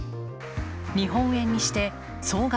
日本円にして総額